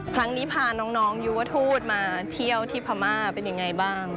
ครั้งนี้พาน้องยูวทูตมาเที่ยวที่พม่าเป็นยังไงบ้าง